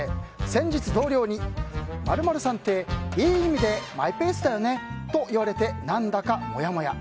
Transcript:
先日、同僚に○○さんっていい意味でマイペースだよねと言われて、何だかモヤモヤ。